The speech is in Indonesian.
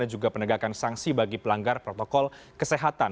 dan juga penegakan sanksi bagi pelanggar protokol kesehatan